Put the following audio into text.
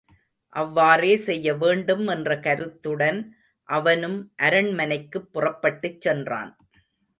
அவ்வாறே செய்ய வேண்டும் என்ற கருத்துடன் அவனும் அரண்மனைக்குப் புறப்பட்டுச் சென்றான்.